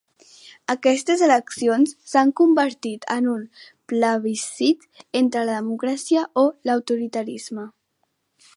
Aquestes eleccions s’han convertit en un plebiscit entre la democràcia o l’autoritarisme.